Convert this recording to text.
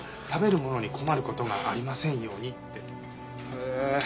へえ。